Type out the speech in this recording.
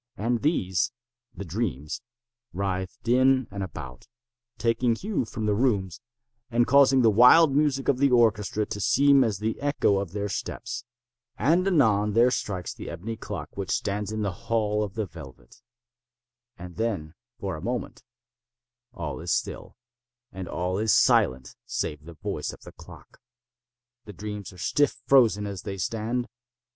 And these—the dreams—writhed in and about, taking hue from the rooms, and causing the wild music of the orchestra to seem as the echo of their steps. And, anon, there strikes the ebony clock which stands in the hall of the velvet. And then, for a moment, all is still, and all is silent save the voice of the clock. The dreams are stiff frozen as they stand.